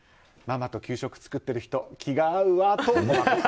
ママと給食作ってる人気が合うわ！と。